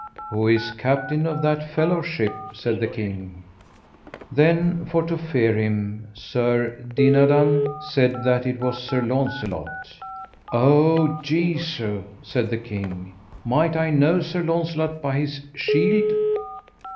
Who is captain of that fellowship? said the king. Then for to fear him Sir Dinadan said that it was Sir Launcelot. O Jesu, said the king, might I know Sir Launcelot by his shield?